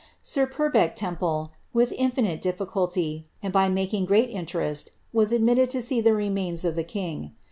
Sir Purbeck Temple, with infinite difficulty, and by making great inte rest, was admitted to sec the remains of the king.